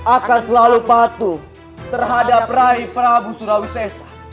akan selalu patuh terhadap raja prabu surawi sesa